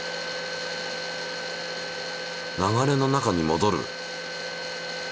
流れの中にもどる。